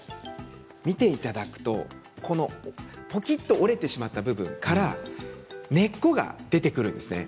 見ていただくとぽきっと折れてしまった部分から根っこが出てくるんですね。